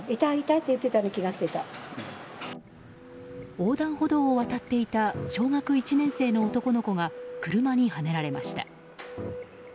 横断歩道を渡っていた小学１年生の男の子が車にはねられました。